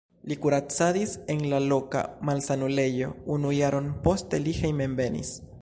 Li kuracadis en la loka malsanulejo unu jaron, poste li hejmenvenis.